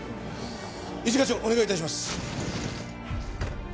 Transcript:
一課長お願い致します。